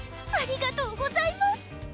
ありがとうございます。